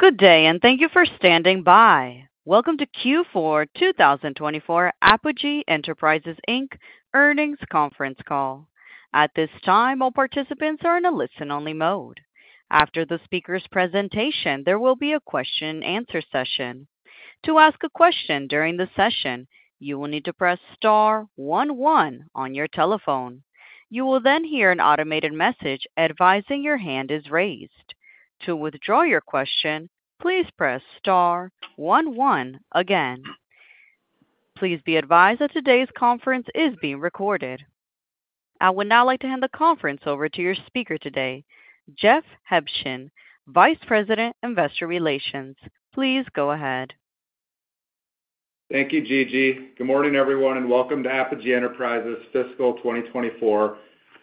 Good day, and thank you for standing by. Welcome to Q4 2024 Apogee Enterprises Inc. Earnings Conference Call. At this time, all participants are in a listen-only mode. After the speaker's presentation, there will be a question and answer session. To ask a question during the session, you will need to press star one one on your telephone. You will then hear an automated message advising your hand is raised. To withdraw your question, please press star one one again. Please be advised that today's conference is being recorded. I would now like to hand the conference over to your speaker today, Jeff Huebschen, Vice President, Investor Relations. Please go ahead. Thank you, Gigi. Good morning, everyone, and welcome to Apogee Enterprises fiscal 2024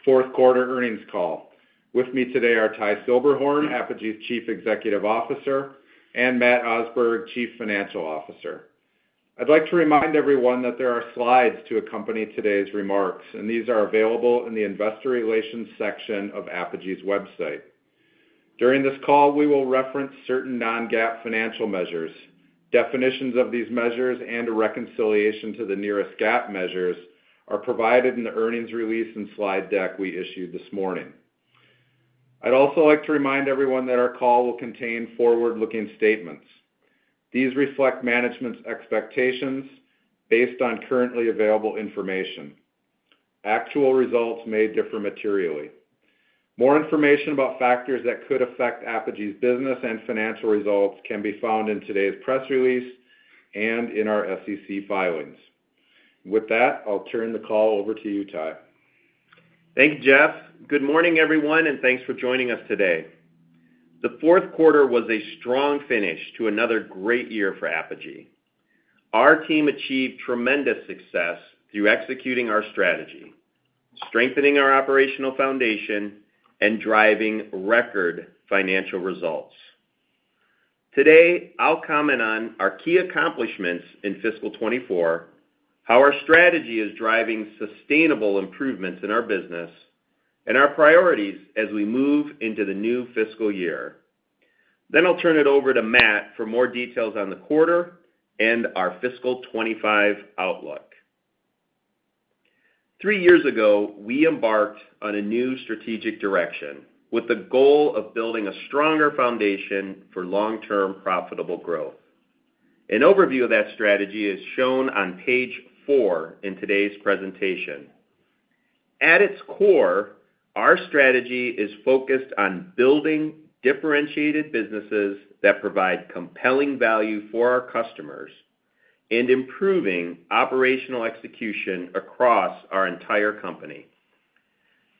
fourth quarter earnings call. With me today are Ty Silberhorn, Apogee's Chief Executive Officer, and Matt Osberg, Chief Financial Officer. I'd like to remind everyone that there are slides to accompany today's remarks, and these are available in the Investor Relations section of Apogee's website. During this call, we will reference certain non-GAAP financial measures. Definitions of these measures and a reconciliation to the nearest GAAP measures are provided in the earnings release and slide deck we issued this morning. I'd also like to remind everyone that our call will contain forward-looking statements. These reflect management's expectations based on currently available information. Actual results may differ materially. More information about factors that could affect Apogee's business and financial results can be found in today's press release and in our SEC filings. With that, I'll turn the call over to you, Ty. Thank you, Jeff. Good morning, everyone, and thanks for joining us today. The fourth quarter was a strong finish to another great year for Apogee. Our team achieved tremendous success through executing our strategy, strengthening our operational foundation, and driving record financial results. Today, I'll comment on our key accomplishments in fiscal 2024, how our strategy is driving sustainable improvements in our business, and our priorities as we move into the new fiscal year. Then I'll turn it over to Matt for more details on the quarter and our fiscal 2025 outlook. Three years ago, we embarked on a new strategic direction with the goal of building a stronger foundation for long-term profitable growth. An overview of that strategy is shown on page four in today's presentation. At its core, our strategy is focused on building differentiated businesses that provide compelling value for our customers and improving operational execution across our entire company.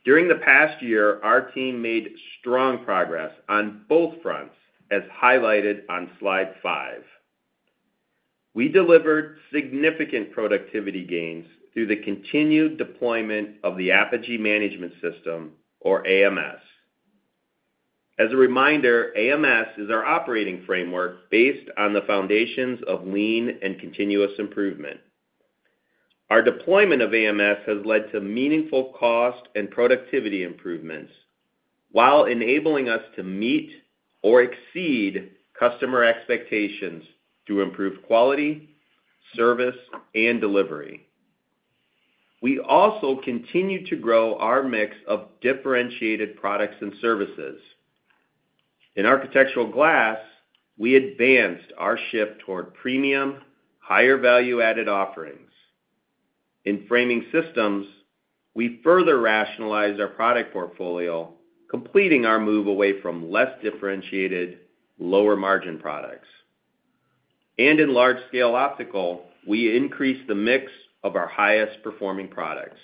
During the past year, our team made strong progress on both fronts, as highlighted on slide five. We delivered significant productivity gains through the continued deployment of the Apogee Management System, or AMS. As a reminder, AMS is our operating framework based on the foundations of lean and continuous improvement. Our deployment of AMS has led to meaningful cost and productivity improvements while enabling us to meet or exceed customer expectations through improved quality, service, and delivery. We also continued to grow our mix of differentiated products and services. In architectural glass, we advanced our shift toward premium, higher value-added offerings. In framing systems, we further rationalized our product portfolio, completing our move away from less differentiated, lower-margin products. In Large-Scale Optical, we increased the mix of our highest performing products.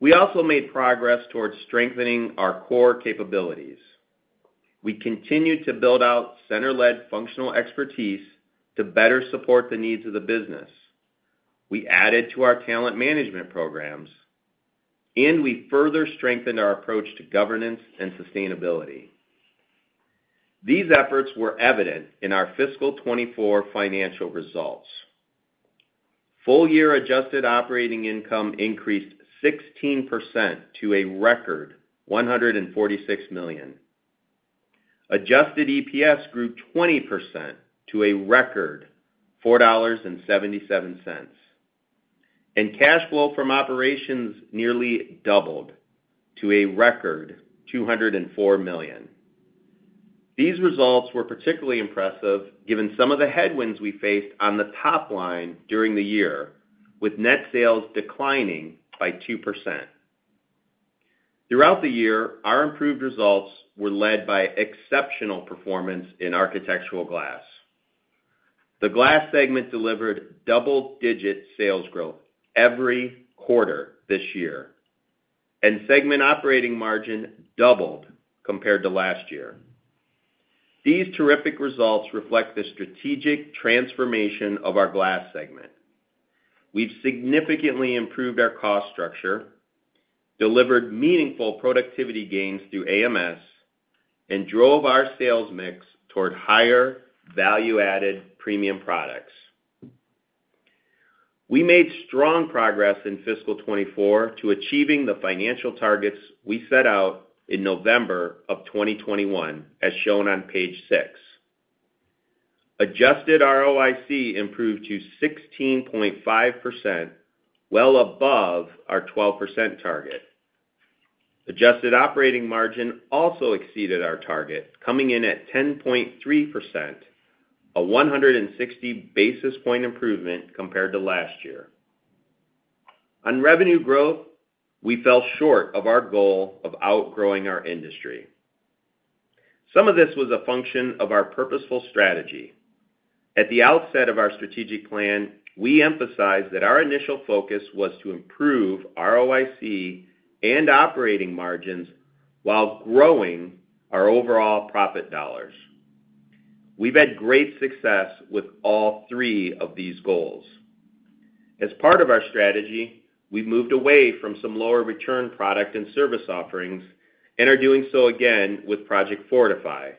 We also made progress towards strengthening our core capabilities. We continued to build out center-led functional expertise to better support the needs of the business. We added to our talent management programs, and we further strengthened our approach to governance and sustainability. These efforts were evident in our Fiscal 2024 financial results. Full-year adjusted operating income increased 16% to a record $146 million. Adjusted EPS grew 20% to a record $4.77, and cash flow from operations nearly doubled to a record $204 million. These results were particularly impressive, given some of the headwinds we faced on the top line during the year, with net sales declining by 2%. Throughout the year, our improved results were led by exceptional performance in Architectural Glass. The glass segment delivered double-digit sales growth every quarter this year, and segment operating margin doubled compared to last year. These terrific results reflect the strategic transformation of our glass segment. We've significantly improved our cost structure, delivered meaningful productivity gains through AMS, and drove our sales mix toward higher value-added premium products.... We made strong progress in fiscal 2024 to achieving the financial targets we set out in November of 2021, as shown on page six. Adjusted ROIC improved to 16.5%, well above our 12% target. Adjusted operating margin also exceeded our target, coming in at 10.3%, a 160 basis point improvement compared to last year. On revenue growth, we fell short of our goal of outgrowing our industry. Some of this was a function of our purposeful strategy. At the outset of our strategic plan, we emphasized that our initial focus was to improve ROIC and operating margins while growing our overall profit dollars. We've had great success with all three of these goals. As part of our strategy, we've moved away from some lower return product and service offerings and are doing so again with Project Fortify,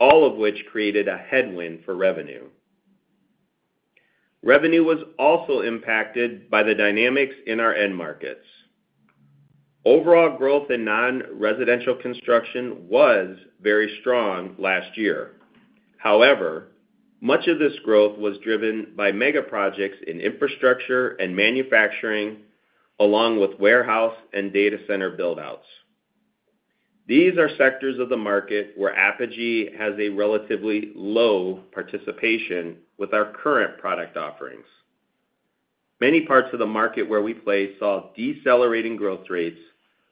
all of which created a headwind for revenue. Revenue was also impacted by the dynamics in our end markets. Overall growth in non-residential construction was very strong last year. However, much of this growth was driven by mega projects in infrastructure and manufacturing, along with warehouse and data center build-outs. These are sectors of the market where Apogee has a relatively low participation with our current product offerings. Many parts of the market where we play saw decelerating growth rates,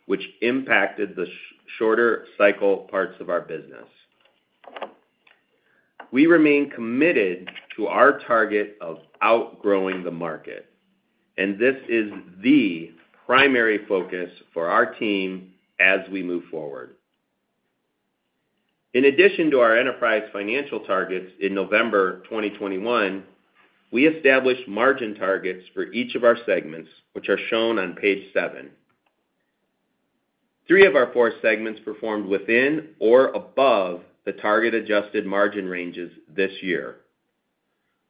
which impacted the shorter cycle parts of our business. We remain committed to our target of outgrowing the market, and this is the primary focus for our team as we move forward. In addition to our enterprise financial targets in November 2021, we established margin targets for each of our segments, which are shown on page seven. Three of our four segments performed within or above the target adjusted margin ranges this year.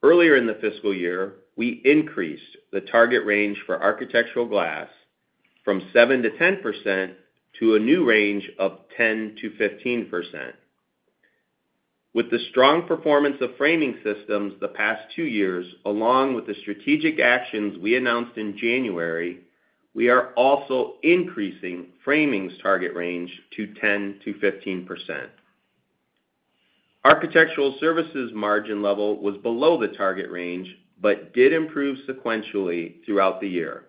Earlier in the fiscal year, we increased the target range for architectural glass from 7% to 10% to a new range of 10% to15%. With the strong performance of framing systems the past two years, along with the strategic actions we announced in January, we are also increasing framing's target range to 10% to 15%. Architectural services margin level was below the target range, but did improve sequentially throughout the year.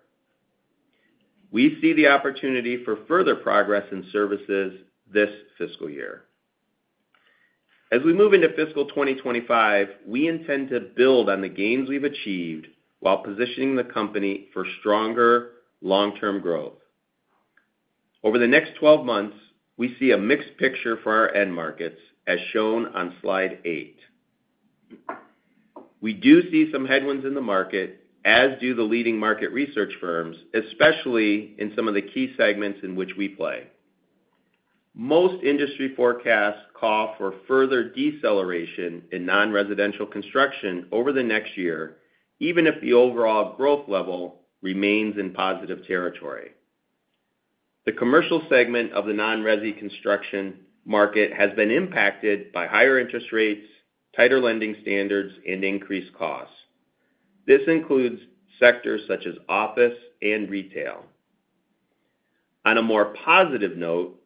We see the opportunity for further progress in services this fiscal year. As we move into fiscal 2025, we intend to build on the gains we've achieved while positioning the company for stronger long-term growth. Over the next 12 months, we see a mixed picture for our end markets, as shown on slide 8. We do see some headwinds in the market, as do the leading market research firms, especially in some of the key segments in which we play. Most industry forecasts call for further deceleration in non-residential construction over the next year, even if the overall growth level remains in positive territory. The commercial segment of the non-resi construction market has been impacted by higher interest rates, tighter lending standards, and increased costs. This includes sectors such as office and retail. On a more positive note,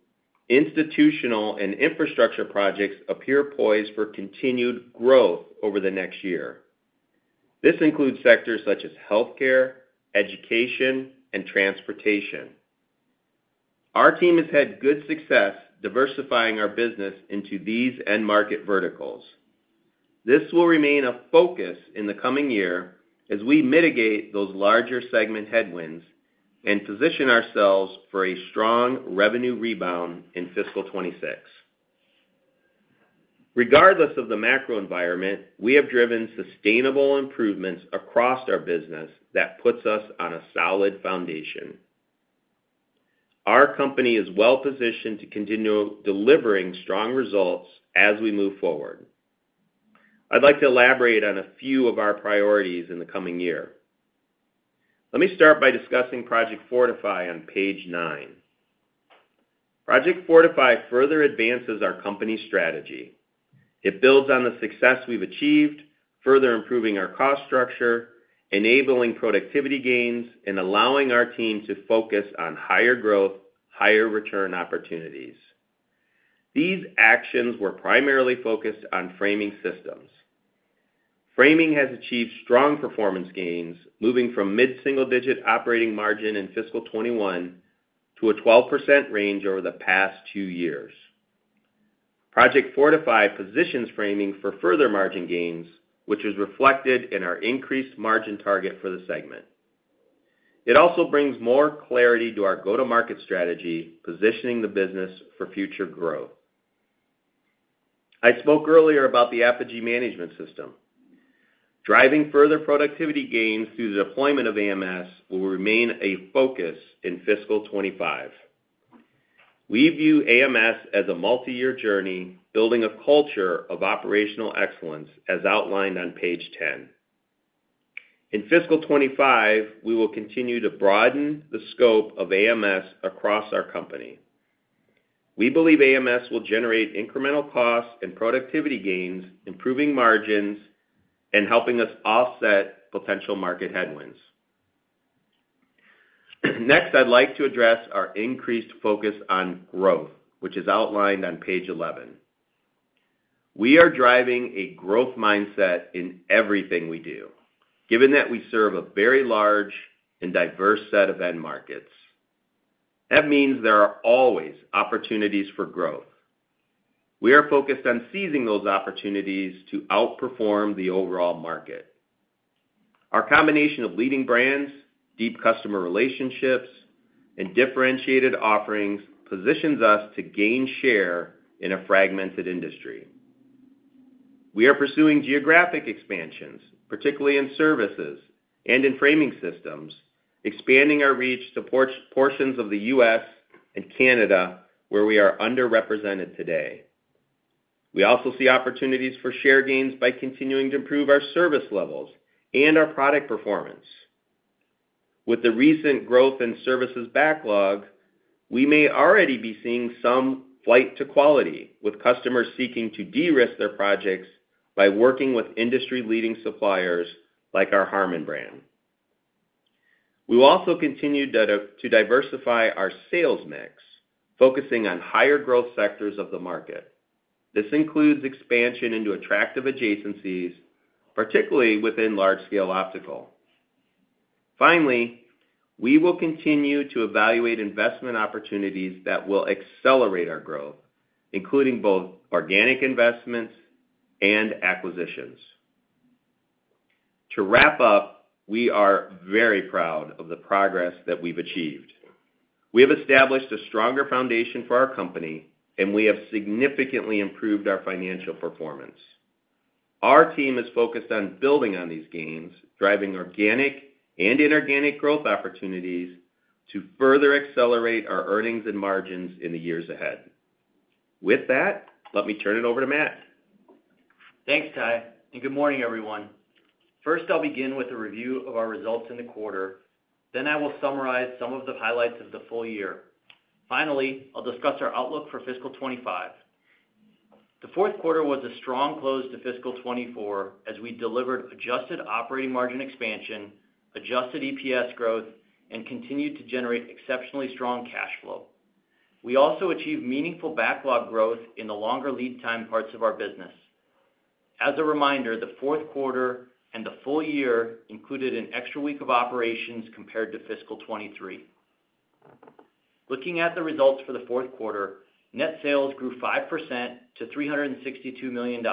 institutional and infrastructure projects appear poised for continued growth over the next year. This includes sectors such as healthcare, education, and transportation. Our team has had good success diversifying our business into these end market verticals. This will remain a focus in the coming year as we mitigate those larger segment headwinds and position ourselves for a strong revenue rebound in Fiscal 26. Regardless of the macro environment, we have driven sustainable improvements across our business that puts us on a solid foundation. Our company is well positioned to continue delivering strong results as we move forward. I'd like to elaborate on a few of our priorities in the coming year. Let me start by discussing Project Fortify on page nine. Project Fortify further advances our company strategy. It builds on the success we've achieved, further improving our cost structure, enabling productivity gains, and allowing our team to focus on higher growth, higher return opportunities. These actions were primarily focused on framing systems. Framing has achieved strong performance gains, moving from mid-single-digit operating margin in fiscal 2021 to a 12% range over the past two years. Project Fortify positions framing for further margin gains, which is reflected in our increased margin target for the segment. It also brings more clarity to our go-to-market strategy, positioning the business for future growth. I spoke earlier about the Apogee Management System. Driving further productivity gains through the deployment of AMS will remain a focus in fiscal 2025. We view AMS as a multi-year journey, building a culture of operational excellence, as outlined on page 10. In fiscal 2025, we will continue to broaden the scope of AMS across our company. We believe AMS will generate incremental costs and productivity gains, improving margins and helping us offset potential market headwinds. Next, I'd like to address our increased focus on growth, which is outlined on page 11. We are driving a growth mindset in everything we do, given that we serve a very large and diverse set of end markets. That means there are always opportunities for growth. We are focused on seizing those opportunities to outperform the overall market. Our combination of leading brands, deep customer relationships, and differentiated offerings positions us to gain share in a fragmented industry. We are pursuing geographic expansions, particularly in services and in framing systems, expanding our reach to portions of the U.S and Canada, where we are underrepresented today. We also see opportunities for share gains by continuing to improve our service levels and our product performance. With the recent growth in services backlog, we may already be seeing some flight to quality, with customers seeking to de-risk their projects by working with industry-leading suppliers like our Harmon brand. We will also continue to diversify our sales mix, focusing on higher growth sectors of the market. This includes expansion into attractive adjacencies, particularly within Large-Scale Optical. Finally, we will continue to evaluate investment opportunities that will accelerate our growth, including both organic investments and acquisitions. To wrap up, we are very proud of the progress that we've achieved. We have established a stronger foundation for our company, and we have significantly improved our financial performance. Our team is focused on building on these gains, driving organic and inorganic growth opportunities to further accelerate our earnings and margins in the years ahead. With that, let me turn it over to Matt. Thanks, Ty, and good morning, everyone. First, I'll begin with a review of our results in the quarter, then I will summarize some of the highlights of the full year. Finally, I'll discuss our outlook for fiscal 25. The fourth quarter was a strong close to fiscal 24, as we delivered adjusted operating margin expansion, adjusted EPS growth, and continued to generate exceptionally strong cash flow. We also achieved meaningful backlog growth in the longer lead time parts of our business. As a reminder, the fourth quarter and the full year included an extra week of operations compared to fiscal 23. Looking at the results for the fourth quarter, net sales grew 5% to $362 million.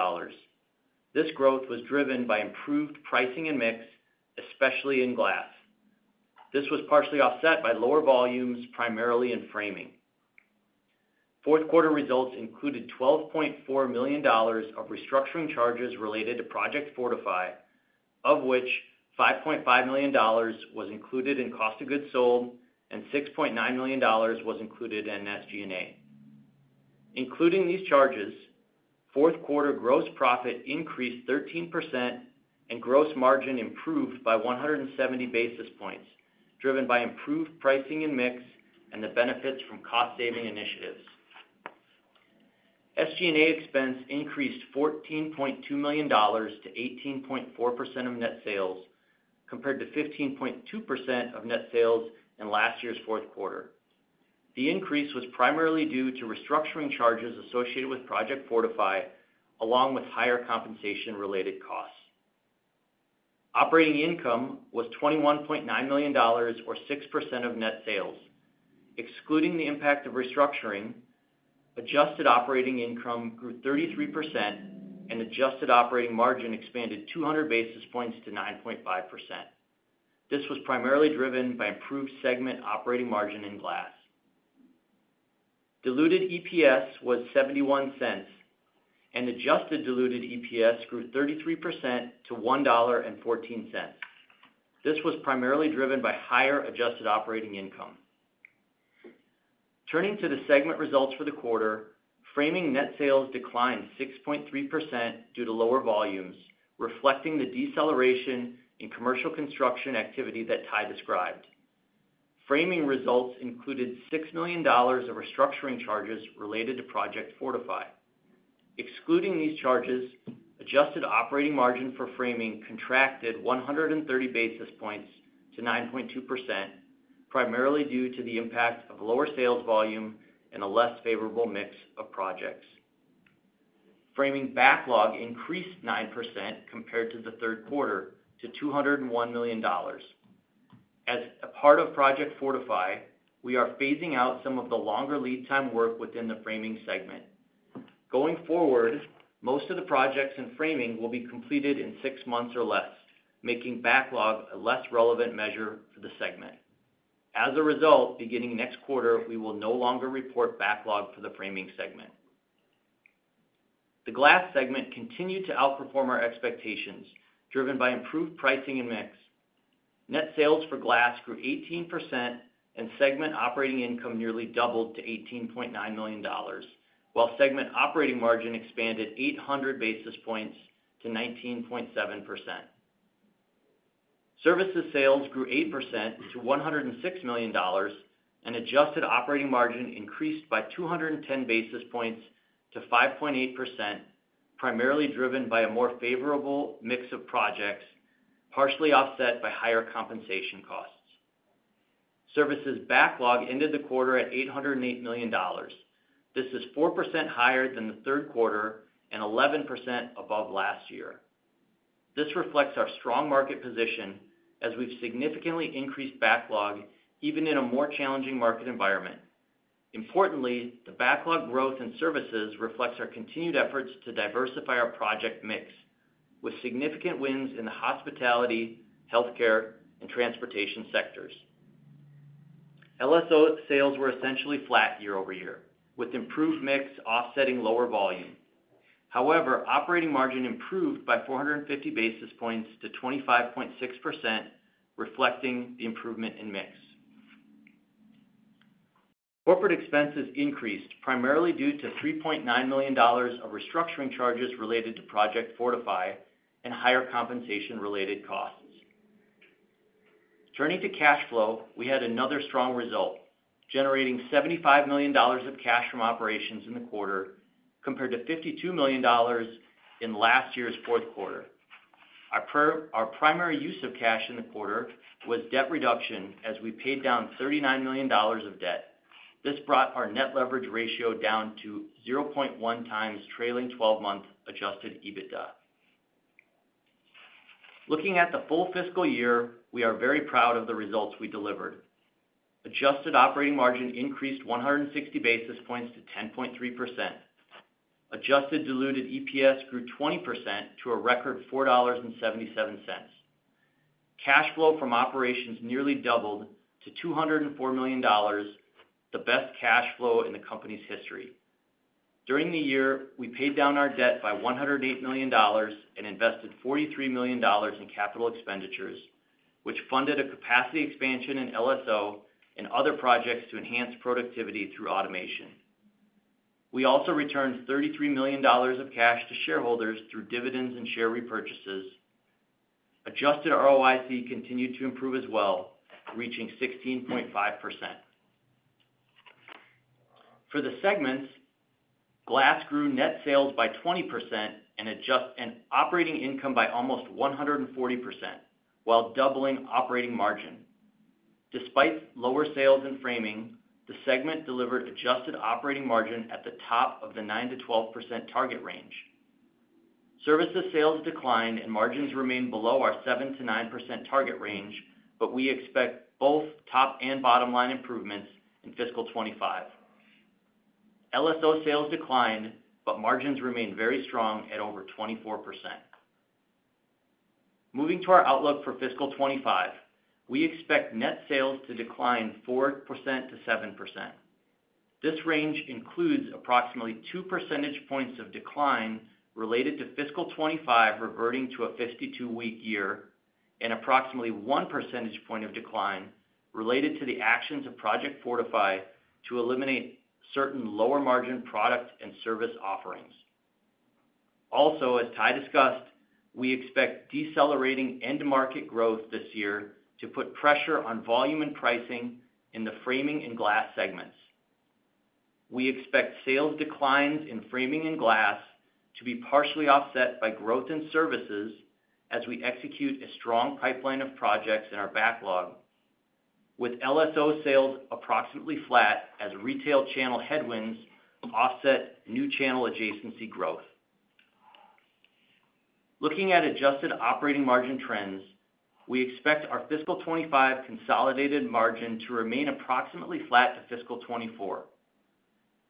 This growth was driven by improved pricing and mix, especially in glass. This was partially offset by lower volumes, primarily in framing. Fourth quarter results included $12.4 million of restructuring charges related to Project Fortify, of which $5.5 million was included in cost of goods sold and $6.9 million was included in SG&A. Including these charges, fourth quarter gross profit increased 13% and gross margin improved by 170 basis points, driven by improved pricing and mix, and the benefits from cost-saving initiatives. SG&A expense increased $14.2 million to 18.4% of net sales, compared to 15.2% of net sales in last year's fourth quarter. The increase was primarily due to restructuring charges associated with Project Fortify, along with higher compensation-related costs. Operating income was $21.9 million, or 6% of net sales. Excluding the impact of restructuring, adjusted operating income grew 33% and adjusted operating margin expanded 200 basis points to 9.5%. This was primarily driven by improved segment operating margin in glass. Diluted EPS was $0.71, and adjusted diluted EPS grew 33% to $1.14. This was primarily driven by higher adjusted operating income. Turning to the segment results for the quarter, framing net sales declined 6.3% due to lower volumes, reflecting the deceleration in commercial construction activity that Ty described. Framing results included $6 million of restructuring charges related to Project Fortify. Excluding these charges, adjusted operating margin for framing contracted 130 basis points to 9.2%, primarily due to the impact of lower sales volume and a less favorable mix of projects. Framing backlog increased 9% compared to the third quarter, to $201 million. As a part of Project Fortify, we are phasing out some of the longer lead time work within the framing segment. Going forward, most of the projects in framing will be completed in six months or less, making backlog a less relevant measure for the segment. As a result, beginning next quarter, we will no longer report backlog for the framing segment.... The glass segment continued to outperform our expectations, driven by improved pricing and mix. Net sales for glass grew 18%, and segment operating income nearly doubled to $18.9 million, while segment operating margin expanded 800 basis points to 19.7%. Services sales grew 8% to $106 million, and adjusted operating margin increased by 210 basis points to 5.8%, primarily driven by a more favorable mix of projects, partially offset by higher compensation costs. Services backlog ended the quarter at $808 million. This is 4% higher than the third quarter and 11% above last year. This reflects our strong market position as we've significantly increased backlog, even in a more challenging market environment. Importantly, the backlog growth in services reflects our continued efforts to diversify our project mix, with significant wins in the hospitality, healthcare, and transportation sectors. LSO sales were essentially flat year-over-year, with improved mix offsetting lower volume. However, operating margin improved by 450 basis points to 25.6%, reflecting the improvement in mix. Corporate expenses increased, primarily due to $3.9 million of restructuring charges related to Project Fortify and higher compensation-related costs. Turning to cash flow, we had another strong result, generating $75 million of cash from operations in the quarter, compared to $52 million in last year's fourth quarter. Our primary use of cash in the quarter was debt reduction, as we paid down $39 million of debt. This brought our net leverage ratio down to 0.1 times trailing twelve-month adjusted EBITDA. Looking at the full fiscal year, we are very proud of the results we delivered. Adjusted operating margin increased 160 basis points to 10.3%. Adjusted diluted EPS grew 20% to a record $4.77. Cash flow from operations nearly doubled to $204 million, the best cash flow in the company's history. During the year, we paid down our debt by $108 million and invested $43 million in capital expenditures, which funded a capacity expansion in LSO and other projects to enhance productivity through automation. We also returned $33 million of cash to shareholders through dividends and share repurchases. Adjusted ROIC continued to improve as well, reaching 16.5%. For the segments, Glass grew net sales by 20% and operating income by almost 140%, while doubling operating margin. Despite lower sales in Framing, the segment delivered adjusted operating margin at the top of the 9%-12% target range. Services sales declined and margins remained below our 7%-9% target range, but we expect both top and bottom-line improvements in fiscal 2025. LSO sales declined, but margins remained very strong at over 24%. Moving to our outlook for fiscal 2025, we expect net sales to decline 4% to 7%. This range includes approximately two percentage points of decline related to fiscal 2025 reverting to a 52 week year, and approximately one percentage point of decline related to the actions of Project Fortify to eliminate certain lower-margin product and service offerings. Also, as Ty discussed, we expect decelerating end-market growth this year to put pressure on volume and pricing in the Framing and Glass segments. We expect sales declines in Framing and Glass to be partially offset by growth in services as we execute a strong pipeline of projects in our backlog, with LSO sales approximately flat as retail channel headwinds offset new channel adjacency growth. Looking at adjusted operating margin trends, we expect our fiscal 2025 consolidated margin to remain approximately flat to fiscal 2024.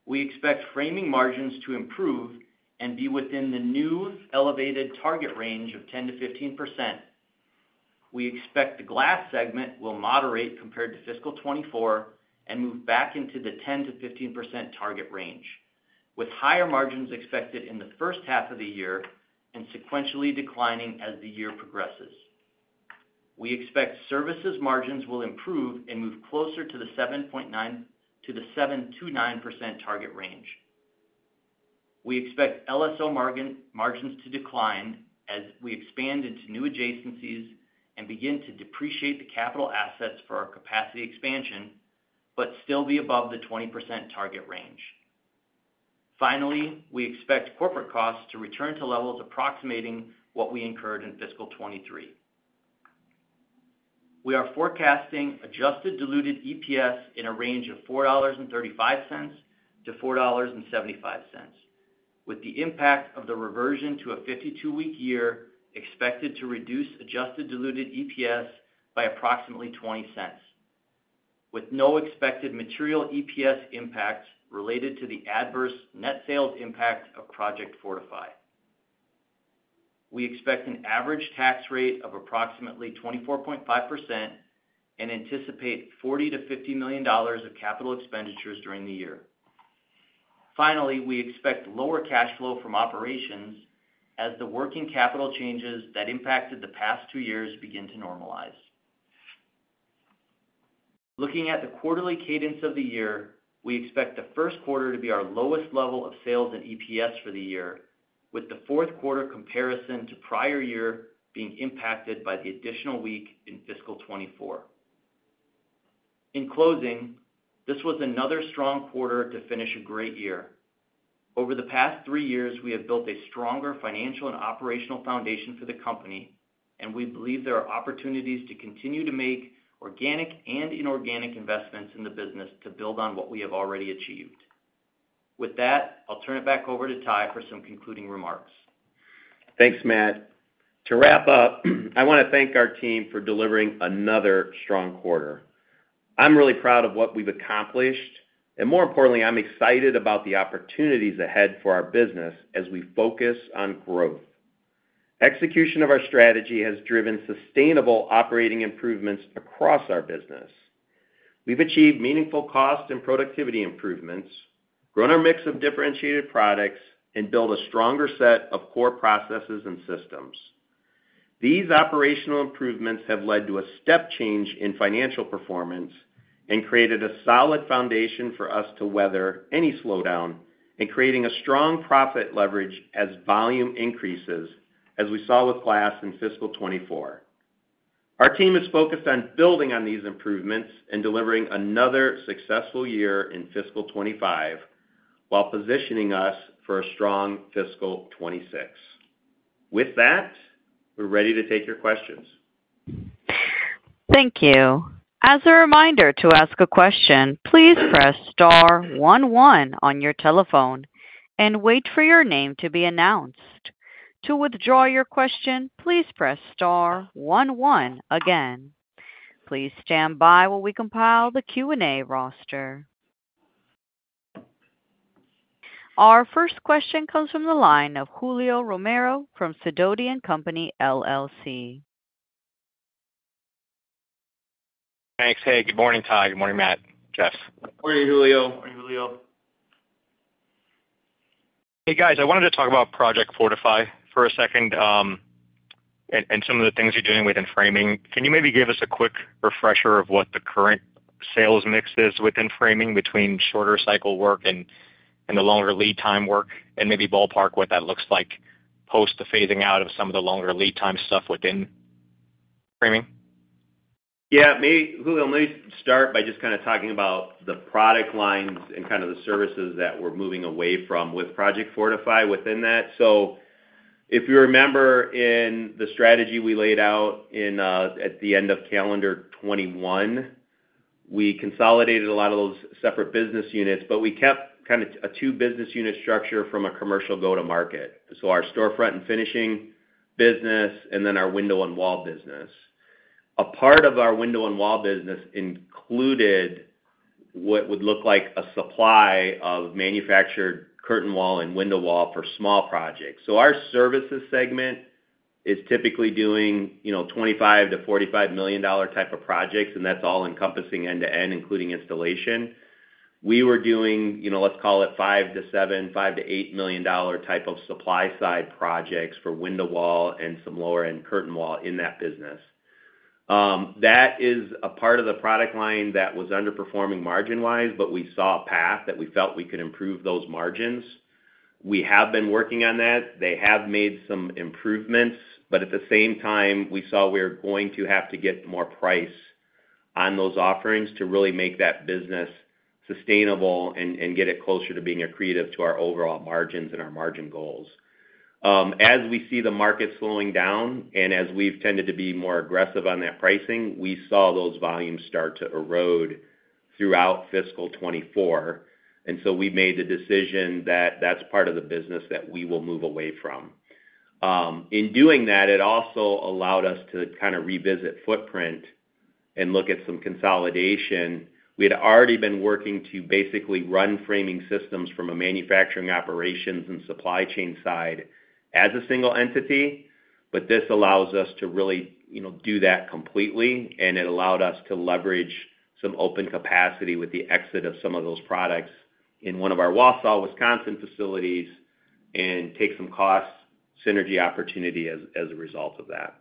We expect Framing margins to improve and be within the new elevated target range of 10% to 15%. We expect the Glass segment will moderate compared to fiscal 2024 and move back into the 10% to 15% target range, with higher margins expected in the first half of the year and sequentially declining as the year progresses. We expect Services margins will improve and move closer to the 7.9-- to the 7% to 9% target range. We expect LSO margin, margins to decline as we expand into new adjacencies and begin to depreciate the capital assets for our capacity expansion, but still be above the 20% target range. Finally, we expect corporate costs to return to levels approximating what we incurred in fiscal 2023. We are forecasting adjusted diluted EPS in a range of $4.35 to $4.75, with the impact of the reversion to a 52-week year expected to reduce adjusted diluted EPS by approximately $0.20, with no expected material EPS impact related to the adverse net sales impact of Project Fortify.... we expect an average tax rate of approximately 24.5% and anticipate $40 million-$50 million of capital expenditures during the year. Finally, we expect lower cash flow from operations as the working capital changes that impacted the past 2 years begin to normalize. Looking at the quarterly cadence of the year, we expect the first quarter to be our lowest level of sales and EPS for the year, with the fourth quarter comparison to prior year being impacted by the additional week in fiscal 2024. In closing, this was another strong quarter to finish a great year. Over the past three years, we have built a stronger financial and operational foundation for the company, and we believe there are opportunities to continue to make organic and inorganic investments in the business to build on what we have already achieved. With that, I'll turn it back over to Ty for some concluding remarks. Thanks, Matt. To wrap up, I want to thank our team for delivering another strong quarter. I'm really proud of what we've accomplished, and more importantly, I'm excited about the opportunities ahead for our business as we focus on growth. Execution of our strategy has driven sustainable operating improvements across our business. We've achieved meaningful cost and productivity improvements, grown our mix of differentiated products, and built a stronger set of core processes and systems. These operational improvements have led to a step change in financial performance and created a solid foundation for us to weather any slowdown, and creating a strong profit leverage as volume increases, as we saw with glass in fiscal 2024. Our team is focused on building on these improvements and delivering another successful year in fiscal 2025, while positioning us for a strong fiscal 2026. With that, we're ready to take your questions. Thank you. As a reminder to ask a question, please press star one one on your telephone and wait for your name to be announced. To withdraw your question, please press star one one again. Please stand by while we compile the Q&A roster. Our first question comes from the line of Julio Romero from Sidoti & Company, LLC. Thanks. Hey, good morning, Ty. Good morning, Matt, Jeff. Morning, Julio. Morning, Julio. Hey, guys, I wanted to talk about Project Fortify for a second, and some of the things you're doing within framing. Can you maybe give us a quick refresher of what the current sales mix is within framing, between shorter cycle work and the longer lead time work? And maybe ballpark what that looks like post the phasing out of some of the longer lead time stuff within framing. Yeah, maybe, Julio, let me start by just kind of talking about the product lines and kind of the services that we're moving away from with Project Fortify within that. So if you remember, in the strategy we laid out in at the end of calendar 2021, we consolidated a lot of those separate business units, but we kept kind of a two business unit structure from a commercial go-to-market. So our storefront and finishing business, and then our window and wall business. A part of our window and wall business included what would look like a supply of manufactured curtain wall and window wall for small projects. So our services segment is typically doing, you know, $25 million-$45 million type of projects, and that's all-encompassing end-to-end, including installation. We were doing, you know, let's call it $5 million to $7 million, $5 million to $8 million type of supply side projects for window wall and some lower end curtain wall in that business. That is a part of the product line that was underperforming margin-wise, but we saw a path that we felt we could improve those margins. We have been working on that. They have made some improvements, but at the same time, we saw we were going to have to get more price on those offerings to really make that business sustainable and, and get it closer to being accretive to our overall margins and our margin goals. As we see the market slowing down, and as we've tended to be more aggressive on that pricing, we saw those volumes start to erode throughout fiscal 2024, and so we made the decision that that's part of the business that we will move away from. In doing that, it also allowed us to kind of revisit footprint and look at some consolidation. We had already been working to basically run framing systems from a manufacturing operations and supply chain side as a single entity, but this allows us to really, you know, do that completely, and it allowed us to leverage some open capacity with the exit of some of those products in one of our Wausau, Wisconsin, facilities and take some cost synergy opportunity as a result of that.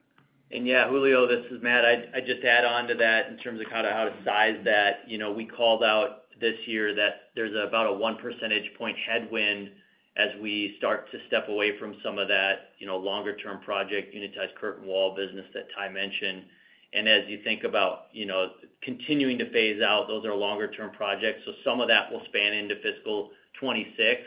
And yeah, Julio, this is Matt. I'd just add on to that in terms of kind of how to size that. You know, we called out this year that there's about a one percentage point headwind as we start to step away from some of that, you know, longer term project, unitized curtain wall business that Ty mentioned. And as you think about, you know, continuing to phase out, those are longer term projects, so some of that will span into fiscal 2026,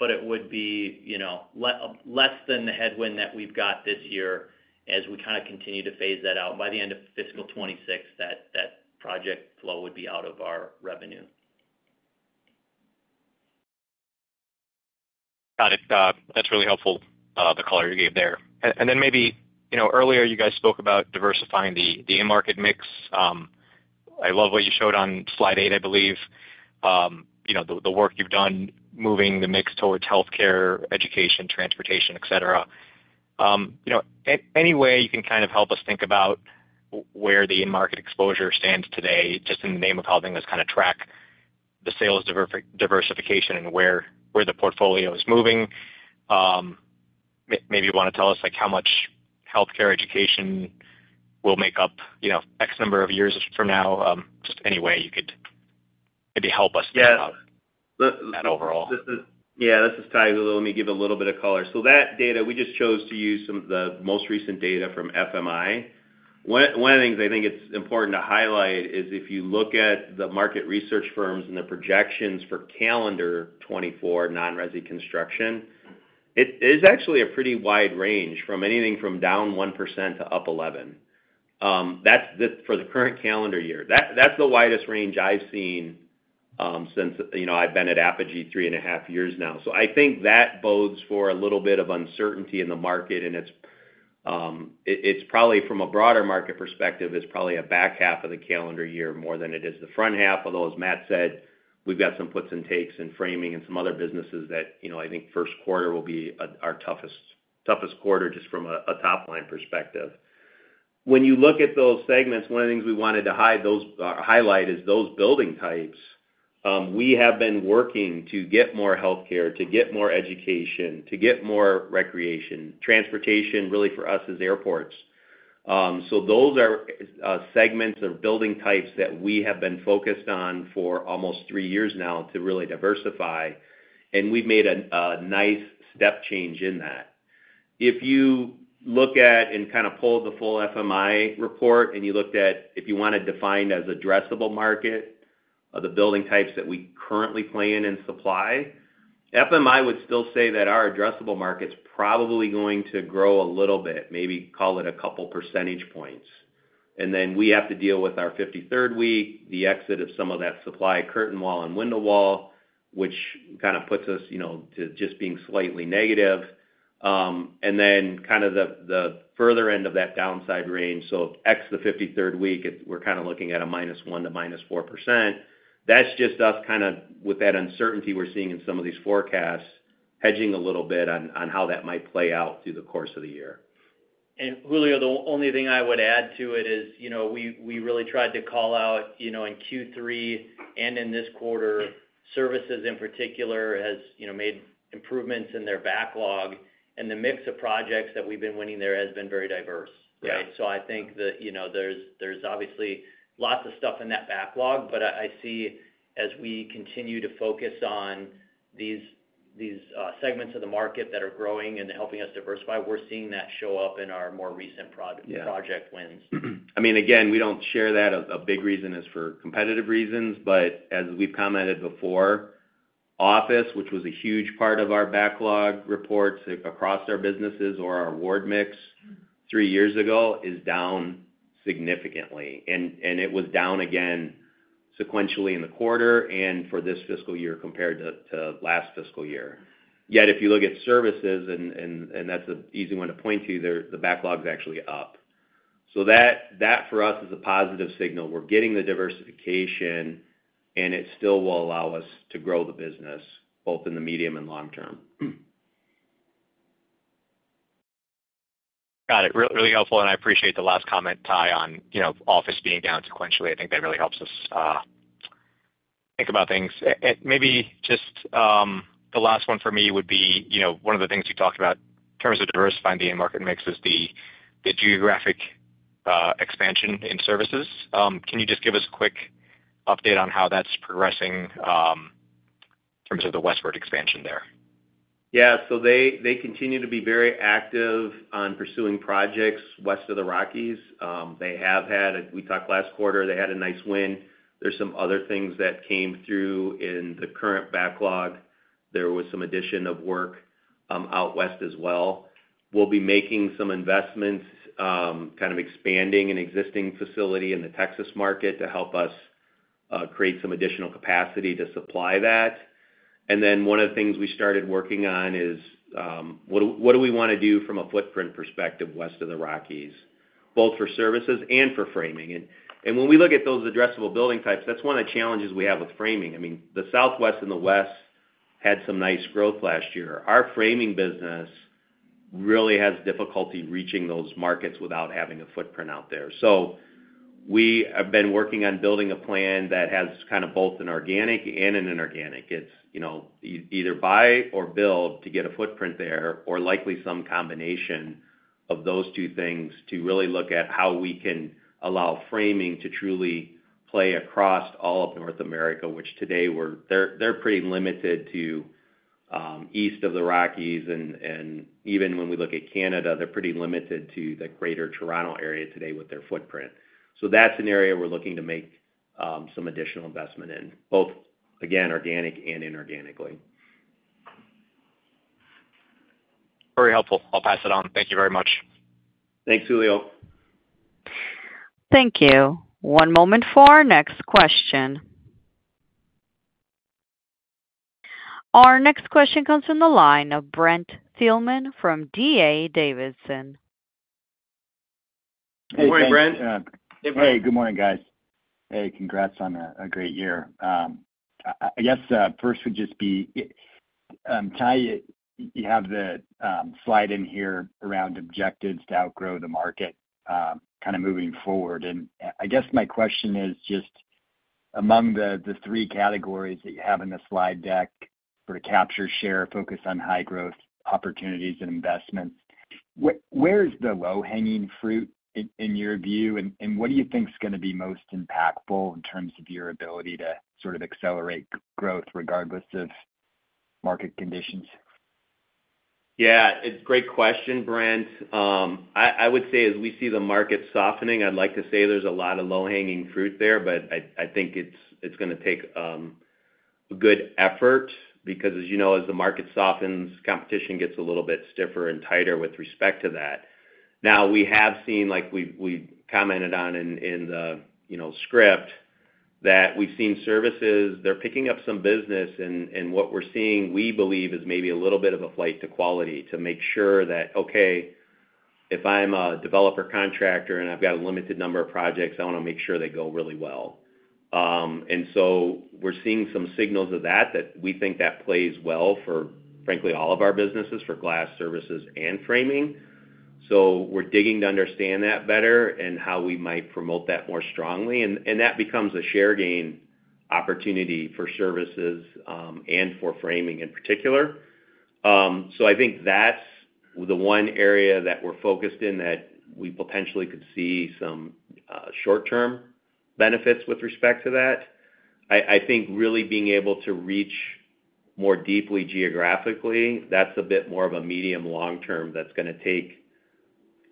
but it would be, you know, less than the headwind that we've got this year as we kind of continue to phase that out. By the end of fiscal 2026, that project flow would be out of our revenue. Got it, that's really helpful, the color you gave there. And then maybe, you know, earlier you guys spoke about diversifying the end market mix. I love what you showed on slide eight, I believe. You know, the work you've done moving the mix towards healthcare, education, transportation, et cetera. Any way you can kind of help us think about where the end market exposure stands today, just in the name of helping us kind of track the sales diversification and where the portfolio is moving? Maybe you want to tell us, like, how much healthcare education will make up, you know, X number of years from now? Just any way you could maybe help us think about- Yeah. -that overall. This is Ty. Let me give a little bit of color. So that data, we just chose to use some of the most recent data from FMI. One of the things I think it's important to highlight is if you look at the market research firms and the projections for calendar 2024 non-resi construction, it is actually a pretty wide range, from anything from down 1% to up 11%. That's for the current calendar year. That, that's the widest range I've seen, since, you know, I've been at Apogee three and a half years now. So I think that bodes for a little bit of uncertainty in the market, and it's probably, from a broader market perspective, it's probably a back half of the calendar year more than it is the front half. Although, as Matt said, we've got some puts and takes in framing and some other businesses that, you know, I think first quarter will be our toughest, toughest quarter, just from a top-line perspective. When you look at those segments, one of the things we wanted to highlight is those building types, we have been working to get more healthcare, to get more education, to get more recreation. Transportation, really for us, is airports. So those are segments or building types that we have been focused on for almost three years now to really diversify, and we've made a nice step change in that. If you look at, and kind of pull the full FMI report, and you looked at, if you want to define as addressable market, of the building types that we currently play in and supply, FMI would still say that our addressable market's probably going to grow a little bit, maybe call it a couple percentage points. Then we have to deal with our 53rd Week, the exit of some of that supply curtain wall and window wall, which kind of puts us, you know, to just being slightly negative. Then kind of the further end of that downside range, so ex the 53rd Week, we're kind of looking at a -1% to -4%. That's just us, kind of, with that uncertainty we're seeing in some of these forecasts, hedging a little bit on, on how that might play out through the course of the year. And Julio, the only thing I would add to it is, you know, we really tried to call out, you know, in Q3 and in this quarter, services in particular has, you know, made improvements in their backlog. And the mix of projects that we've been winning there has been very diverse, right? Yeah. So I think that, you know, there's, there's obviously lots of stuff in that backlog, but I, I see as we continue to focus on these, these segments of the market that are growing and helping us diversify, we're seeing that show up in our more recent pro- Yeah project wins. I mean, again, we don't share that. A big reason is for competitive reasons, but as we've commented before, office, which was a huge part of our backlog reports across our businesses or our award mix three years ago, is down significantly, and it was down again sequentially in the quarter and for this fiscal year compared to last fiscal year. Yet, if you look at services, and that's an easy one to point to, the backlog is actually up. So that for us is a positive signal. We're getting the diversification, and it still will allow us to grow the business, both in the medium and long term. Got it. Really helpful, and I appreciate the last comment, Ty, on, you know, office being down sequentially. I think that really helps us think about things. And maybe just the last one for me would be, you know, one of the things you talked about in terms of diversifying the end market mix is the geographic expansion in services. Can you just give us a quick update on how that's progressing in terms of the westward expansion there? Yeah. So they continue to be very active on pursuing projects west of the Rockies. They have had, as we talked last quarter, they had a nice win. There's some other things that came through in the current backlog. There was some addition of work out west as well. We'll be making some investments, kind of expanding an existing facility in the Texas market to help us create some additional capacity to supply that. And then one of the things we started working on is what do we want to do from a footprint perspective west of the Rockies, both for services and for framing? And when we look at those addressable building types, that's one of the challenges we have with framing. I mean, the Southwest and the West had some nice growth last year. Our framing business really has difficulty reaching those markets without having a footprint out there. So we have been working on building a plan that has kind of both an organic and an inorganic. It's, you know, either buy or build to get a footprint there, or likely some combination of those two things to really look at how we can allow framing to truly play across all of North America, which today we're—they're, they're pretty limited to east of the Rockies, and, and even when we look at Canada, they're pretty limited to the greater Toronto area today with their footprint. So that's an area we're looking to make some additional investment in, both, again, organic and inorganically. Very helpful. I'll pass it on. Thank you very much. Thanks, Julio. Thank you. One moment for our next question. Our next question comes from the line of Brent Thielman from D.A. Davidson. Good morning, Brent. Hey, good morning, guys. Hey, congrats on a great year. I guess first would just be Ty, you have the slide in here around objectives to outgrow the market, kind of moving forward. And I guess my question is just among the three categories that you have in the slide deck for capture share, focus on high growth opportunities and investments, where is the low-hanging fruit in your view? And what do you think is going to be most impactful in terms of your ability to sort of accelerate growth regardless of market conditions? Yeah, it's a great question, Brent. I would say as we see the market softening, I'd like to say there's a lot of low-hanging fruit there, but I think it's going to take good effort because, as you know, as the market softens, competition gets a little bit stiffer and tighter with respect to that. Now, we have seen, like we've commented on in the, you know, script, that we've seen services, they're picking up some business, and what we're seeing, we believe, is maybe a little bit of a flight to quality to make sure that, okay, if I'm a developer contractor and I've got a limited number of projects, I want to make sure they go really well. And so we're seeing some signals of that that we think that plays well for, frankly, all of our businesses, for glass services and framing. So we're digging to understand that better and how we might promote that more strongly. And that becomes a share gain opportunity for services and for framing in particular. So I think that's the one area that we're focused in, that we potentially could see some short-term benefits with respect to that. I think really being able to reach more deeply geographically, that's a bit more of a medium long term that's going to take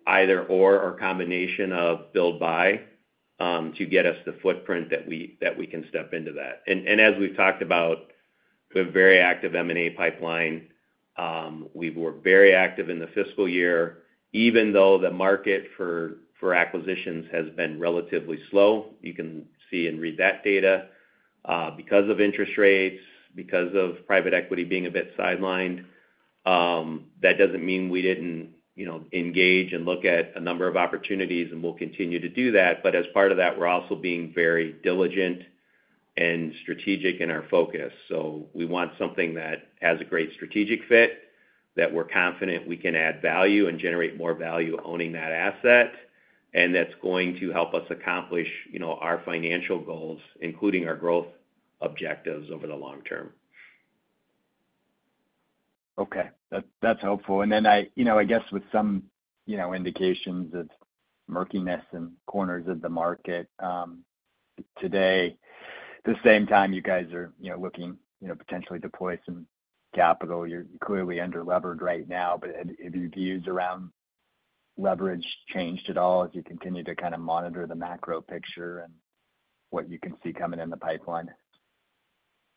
either or, or combination of build or buy to get us the footprint that we that we can step into that. And as we've talked about, we have very active M&A pipeline. We were very active in the fiscal year, even though the market for acquisitions has been relatively slow. You can see and read that data, because of interest rates, because of private equity being a bit sidelined. That doesn't mean we didn't, you know, engage and look at a number of opportunities, and we'll continue to do that. But as part of that, we're also being very diligent and strategic in our focus. So we want something that has a great strategic fit, that we're confident we can add value and generate more value owning that asset, and that's going to help us accomplish, you know, our financial goals, including our growth objectives over the long term. Okay. That's helpful. And then, you know, I guess with some indications of murkiness in corners of the market today, at the same time, you guys are, you know, looking, you know, potentially deploy some capital. You're clearly underlevered right now, but have your views around leverage changed at all as you continue to kind of monitor the macro picture and what you can see coming in the pipeline?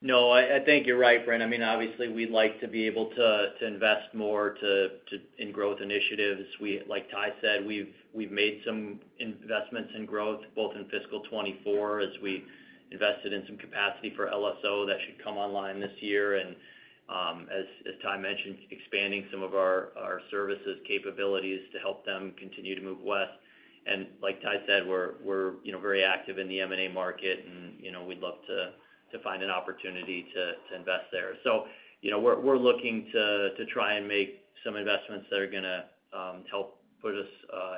No, I think you're right, Brent. I mean, obviously, we'd like to be able to invest more in growth initiatives. We, like Ty said, we've made some investments in growth, both in fiscal 2024, as we invested in some capacity for LSO that should come online this year, and, as Ty mentioned, expanding some of our services capabilities to help them continue to move west. And like Ty said, we're, you know, very active in the M&A market, and, you know, we'd love to find an opportunity to invest there. So, you know, we're looking to try and make some investments that are going to help put us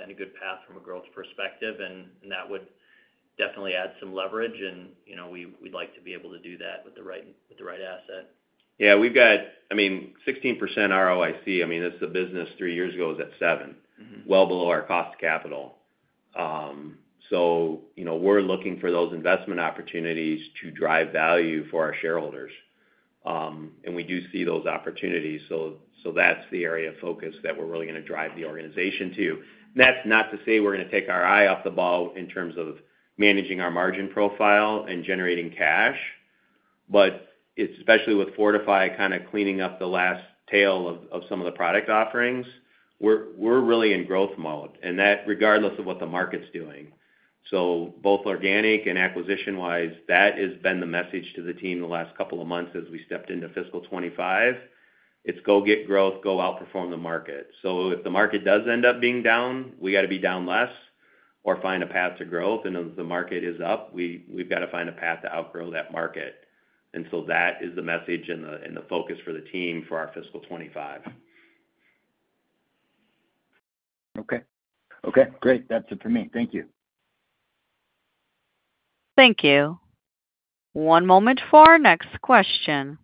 in a good path from a growth perspective, and that would definitely add some leverage. You know, we'd like to be able to do that with the right asset. Yeah, we've got, I mean, 16% ROIC. I mean, this is a business three years ago was at 7. Well below our cost capital. So, you know, we're looking for those investment opportunities to drive value for our shareholders. And we do see those opportunities, so that's the area of focus that we're really going to drive the organization to. That's not to say we're going to take our eye off the ball in terms of managing our margin profile and generating cash, but especially with Fortify, kind of cleaning up the last tail of some of the product offerings, we're really in growth mode, and that regardless of what the market's doing. So both organic and acquisition-wise, that has been the message to the team the last couple of months as we stepped into fiscal 2025. It's go get growth, go outperform the market. So if the market does end up being down, we got to be down less or find a path to growth. And if the market is up, we, we've got to find a path to outgrow that market. And so that is the message and the, and the focus for the team for our fiscal 25. Okay. Okay, great. That's it for me. Thank you. Thank you. One moment for our next question.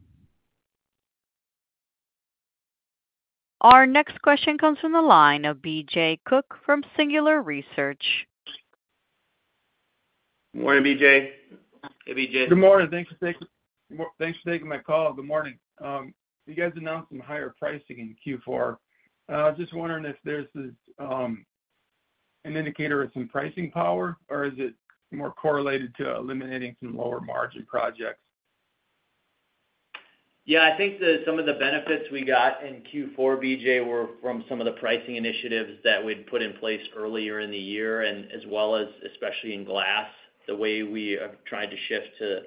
Our next question comes from the line of BJ Cook from Singular Research. Morning, BJ. Hey, BJ. Good morning. Thanks for taking, thanks for taking my call. Good morning. You guys announced some higher pricing in Q4. I was just wondering if there's an indicator of some pricing power, or is it more correlated to eliminating some lower margin projects? Yeah, I think that some of the benefits we got in Q4, BJ, were from some of the pricing initiatives that we'd put in place earlier in the year, and as well as, especially in glass, the way we are trying to shift to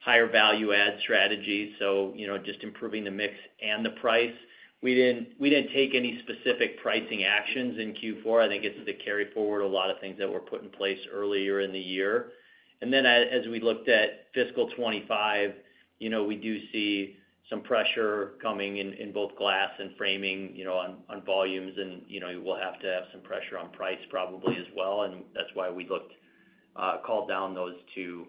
higher value add strategies, so, you know, just improving the mix and the price. We didn't, we didn't take any specific pricing actions in Q4. I think it's to carry forward a lot of things that were put in place earlier in the year. And then as we looked at fiscal 25, you know, we do see some pressure coming in in both glass and framing, you know, on volumes. And, you know, we'll have to have some pressure on price probably as well, and that's why we looked called down those two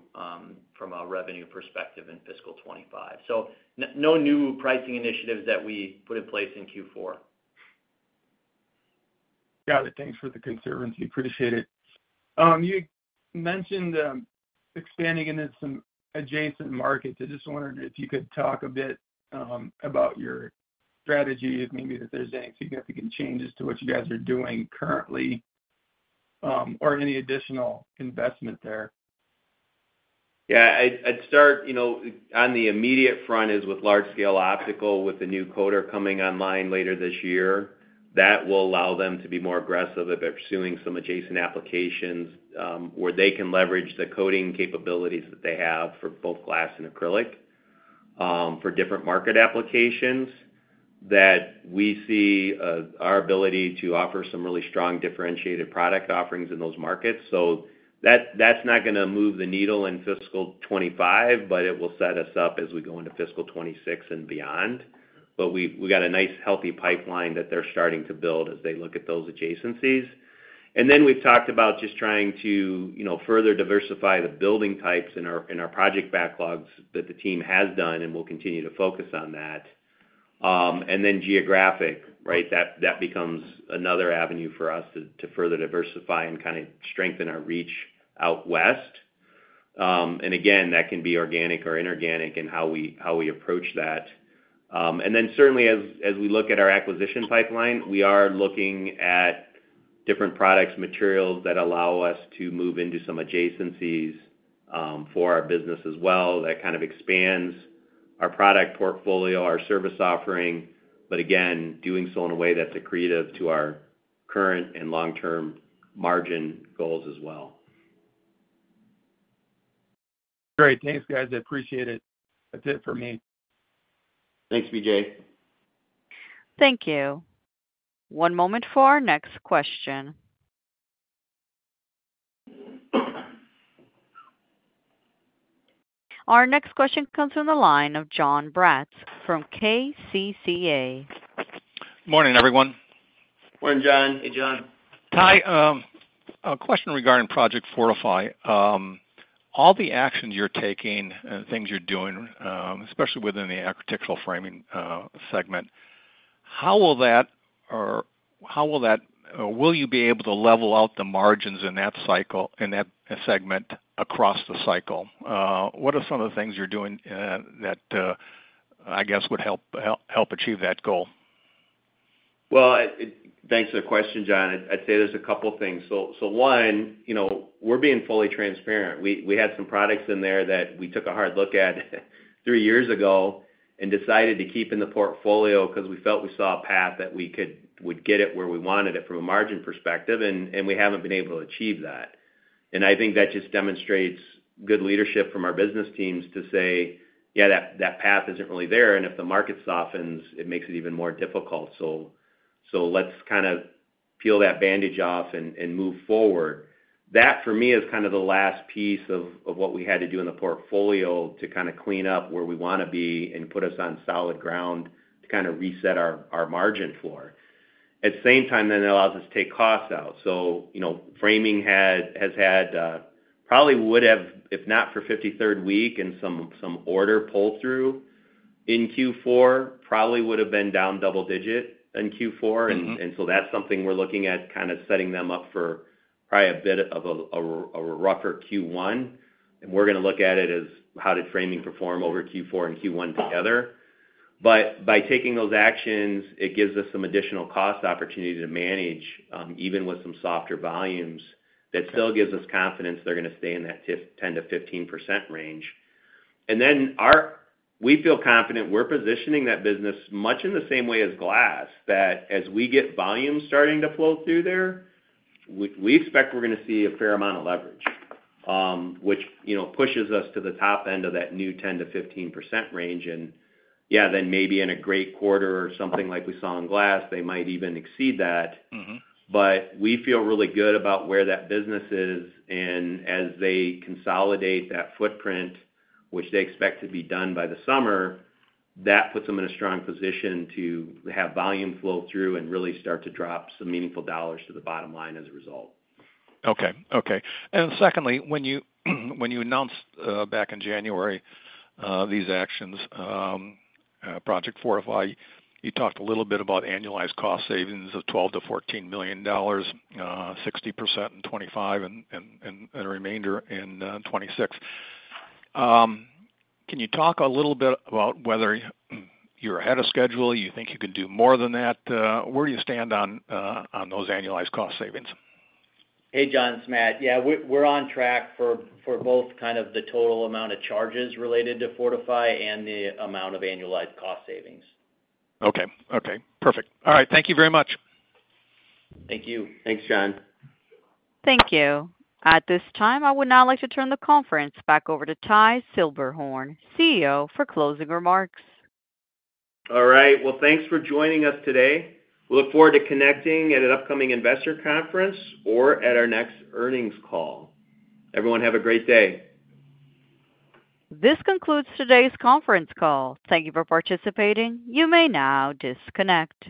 from a revenue perspective in fiscal 25. No new pricing initiatives that we put in place in Q4. Got it. Thanks for the question. Appreciate it. You mentioned expanding into some adjacent markets. I just wondered if you could talk a bit about your strategy, if maybe if there's any significant changes to what you guys are doing currently, or any additional investment there. Yeah, I'd start, you know, on the immediate front is with Large-Scale Optical, with the new coater coming online later this year. That will allow them to be more aggressive if they're pursuing some adjacent applications, where they can leverage the coating capabilities that they have for both glass and acrylic, for different market applications, that we see our ability to offer some really strong differentiated product offerings in those markets. So that, that's not gonna move the needle in fiscal 25, but it will set us up as we go into fiscal 26 and beyond. But we've got a nice, healthy pipeline that they're starting to build as they look at those adjacencies. And then we've talked about just trying to, you know, further diversify the building types in our project backlogs that the team has done, and we'll continue to focus on that. And then geographic, right? That becomes another avenue for us to further diversify and kind of strengthen our reach out west. And again, that can be organic or inorganic in how we approach that. And then certainly as we look at our acquisition pipeline, we are looking at different products, materials that allow us to move into some adjacencies for our business as well. That kind of expands our product portfolio, our service offering, but again, doing so in a way that's accretive to our current and long-term margin goals as well. Great. Thanks, guys, I appreciate it. That's it for me. Thanks, BJ. Thank you. One moment for our next question. Our next question comes from the line of Jon Braatz from Kansas City Capital Associates. Morning, everyone. Morning, John. Hey, John. Ty, a question regarding Project Fortify. All the actions you're taking and things you're doing, especially within the architectural framing segment, how will that will you be able to level out the margins in that cycle, in that segment, across the cycle? What are some of the things you're doing that I guess would help achieve that goal? Well, thanks for the question, John. I'd say there's a couple things. So one, you know, we're being fully transparent. We had some products in there that we took a hard look at three years ago and decided to keep in the portfolio because we felt we saw a path that we could would get it where we wanted it from a margin perspective, and we haven't been able to achieve that. And I think that just demonstrates good leadership from our business teams to say, "Yeah, that path isn't really there, and if the market softens, it makes it even more difficult. So, so let's kind of peel that bandage off and, and move forward." That, for me, is kind of the last piece of, of what we had to do in the portfolio to kind of clean up where we want to be and put us on solid ground to kind of reset our, our margin floor. At the same time, then it allows us to take costs out. So, you know, framing had, has had, probably would have, if not for Fifty-Third Week and some order pull-through in Q4, probably would have been down double-digit in Q4. And so that's something we're looking at, kind of setting them up for probably a bit of a rougher Q1. And we're gonna look at it as how did framing perform over Q4 and Q1 together. But by taking those actions, it gives us some additional cost opportunity to manage, even with some softer volumes, that still gives us confidence they're gonna stay in that 10% to 15% range. And then we feel confident we're positioning that business much in the same way as glass, that as we get volume starting to flow through there, we expect we're gonna see a fair amount of leverage, which, you know, pushes us to the top end of that new 10% to 15% range. Yeah, then maybe in a great quarter or something like we saw in glass, they might even exceed that. But we feel really good about where that business is, and as they consolidate that footprint, which they expect to be done by the summer, that puts them in a strong position to have volume flow through and really start to drop some meaningful dollars to the bottom line as a result. Okay. Okay. And secondly, when you, when you announced back in January these actions, Project Fortify, you talked a little bit about annualized cost savings of $12 million to $14 million, 60% in 2025 and the remainder in 2026. Can you talk a little bit about whether you're ahead of schedule, you think you could do more than that? Where do you stand on those annualized cost savings? Hey, John, it's Matt. Yeah, we're on track for both kind of the total amount of charges related to Fortify and the amount of annualized cost savings. Okay. Okay, perfect. All right. Thank you very much. Thank you. Thanks, John. Thank you. At this time, I would now like to turn the conference back over to Ty Silberhorn, CEO, for closing remarks. All right, well, thanks for joining us today. We look forward to connecting at an upcoming investor conference or at our next earnings call. Everyone, have a great day. This concludes today's conference call. Thank you for participating. You may now disconnect.